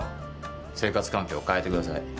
生活環境変えてください。